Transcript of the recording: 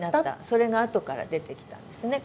それがあとから出てきたんですね